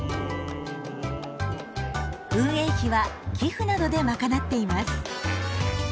運営費は寄付などで賄っています。